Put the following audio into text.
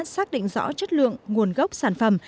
xác định rõ chất lượng nguồn gốc sản phẩm